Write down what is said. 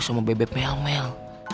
sama bebek melmel